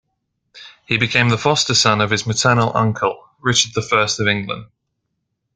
He became the foster son of his maternal uncle, Richard I of England.